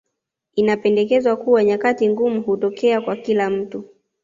Inapendekezwa kuwa nyakati ngumu hutokea kwa kila mtu